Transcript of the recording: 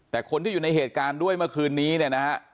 แต่คนที่อยู่ในเหตุการณ์ด้วยเมื่อคืนนี้เนี่ยนะฮะ